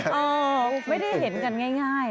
เออไม่ได้เห็นกันง่าย